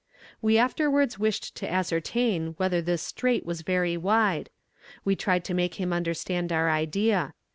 "We afterwards wished to ascertain whether this strait was very wide. We tried to make him understand our idea.